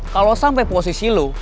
kalau sampai posisi lo